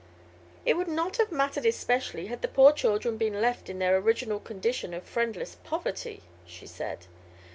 "It would not have mattered especially had the poor children been left in their original condition of friendless poverty," she said.